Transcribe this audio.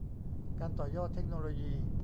การต่อยอดเทคโนโลยี